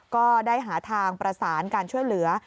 ก็ได้หาทางประสานการช่วยเหลือ